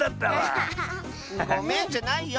ごめんじゃないよ！